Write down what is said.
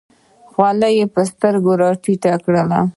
خولۍ یې په سترګو راټیټه کړه.